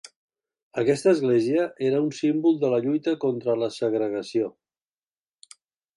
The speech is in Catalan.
Aquesta església era un símbol de la lluita contra la segregació.